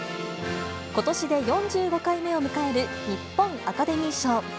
ことしで４５回目を迎える日本アカデミー賞。